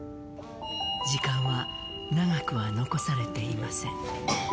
時間は長くは残されていません。